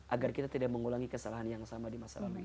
agar kita tidak mengulangi kesalahan yang sama di masa lalu ini